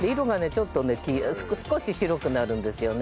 ちょっとね少し白くなるんですよね。